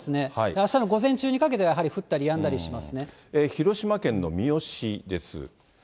あしたの午前中にかけて、やはり降ったりやんだ広島県の三次です。